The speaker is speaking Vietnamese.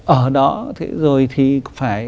ở đó rồi thì phải